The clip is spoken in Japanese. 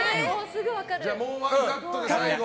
もう１カットで最後。